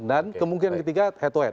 dan kemungkinan ketiga head to head